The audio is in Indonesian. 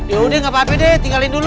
yaudah gak apa apa deh tinggalin dulu